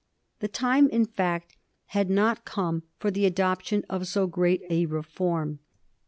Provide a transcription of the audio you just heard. The time, in fact, had not come for the adoption of so great a reform.